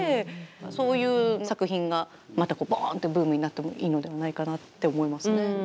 そういう作品がまたボーンってブームになってもいいのではないかなって思いますね。